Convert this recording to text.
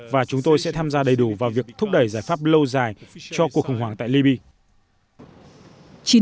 và chúng tôi sẽ tham gia đầy đủ vào việc thúc đẩy giải pháp lâu dài cho cuộc khủng hoảng tại libya